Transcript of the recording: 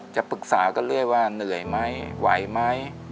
จะปรึกษากันเรื่อยว่าเหนื่อยไหมไหวไหม